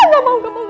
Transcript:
gak mau gak mau